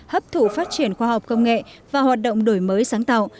hấp thụ phát triển khoa học công nghệ và hoạt động đổi mới sáng tạo